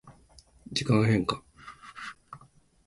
時間変化